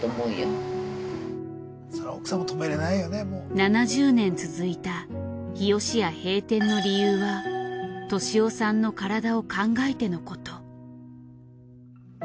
７０年続いた日よしや閉店の理由は敏雄さんの体を考えてのこと。